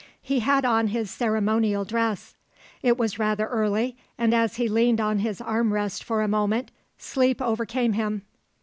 He had on his ceremonial dress. It was rather early, and as he leaned on his arm rest for a moment, sleep overcame him.